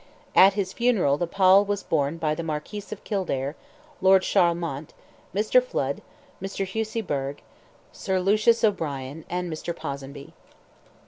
At his funeral the pall was borne by the Marquis of Kildare, Lord Charlemont, Mr. Flood, Mr. Hussey Burgh, Sir Lucius O'Brien, and Mr. Ponsonby.